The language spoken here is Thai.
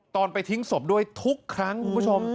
ตอนไปทิ้งศพด้วยทุกครั้งคุณผู้ชม